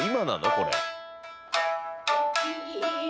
これ。